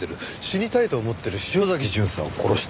死にたいと思っている潮崎巡査を殺した。